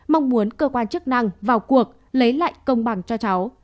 mong muốn cơ quan chức năng vào cuộc lấy lại công bằng cho cháu